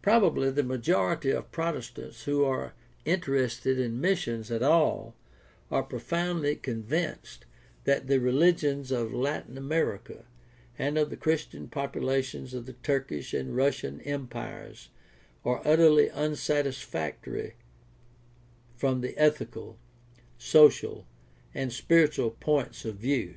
Probably the majority of Protestants who are interested in missions at all are profoundly convinced that the religions of Latin America and of the Christian populations of the Turkish and Russian empires are utterly unsatisfactory from the ethical, social, and spiritual points of view.